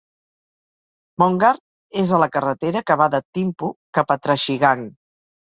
Mongar és a la carretera que va de Thimphu cap a Trashigang.